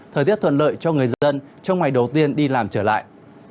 thời tiết thuận lợi cho người dân trong ngày đầu tiên đi làm trở lại